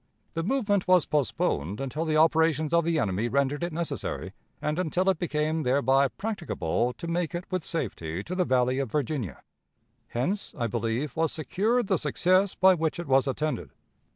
The movement was postponed until the operations of the enemy rendered it necessary, and until it became thereby practicable to make it with safety to the Valley of Virginia. Hence, I believe, was secured the success by which it was attended.